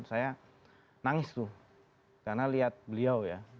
saya nangis tuh karena lihat beliau ya